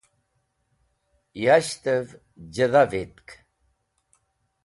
Yashtẽv jẽdha vitk.